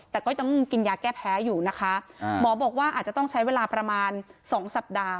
แต่ก็ยังกินยาแก้แพ้อยู่นะคะหมอบอกว่าอาจจะต้องใช้เวลาประมาณสองสัปดาห์